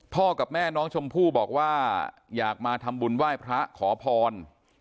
กับแม่น้องชมพู่บอกว่าอยากมาทำบุญไหว้พระขอพร